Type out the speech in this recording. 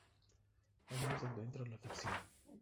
Ahí es donde entra la ficción.